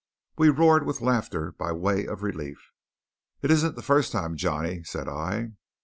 We roared with laughter by way of relief. "It isn't the first time, Johnny," said I.